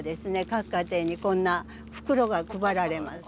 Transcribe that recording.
各家庭にこんな袋が配られます。